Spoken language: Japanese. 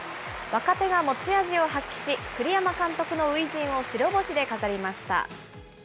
若手が持ち味を発揮し、栗山監督の初陣を白星で飾りました。